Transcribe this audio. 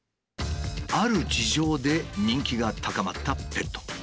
ある事情で人気が高まったペット。